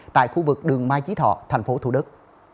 tại khu vực đường mai chí thọ thành phố thủ đức